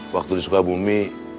waktu di sukabumi